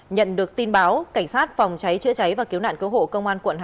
nhận được tin báo cảnh sát phòng cháy chữa cháy và cứu nạn cứu hộ công an quận hai